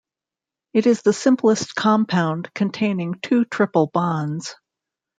It is the simplest compound containing two triple bonds.